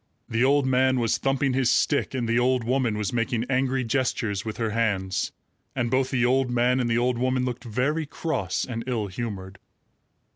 The old man was thumping his stick, and the old woman was making angry gestures with her hands; and both the old man and the old woman looked very cross and ill humored.